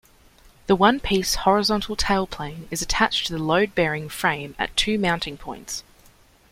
The one-piece horizontal tailplane is attached to the load-bearing frame at two mounting points.